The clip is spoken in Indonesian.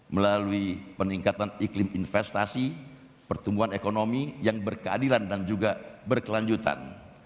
melalui peningkatan iklim investasi pertumbuhan ekonomi yang berkeadilan dan juga berkelanjutan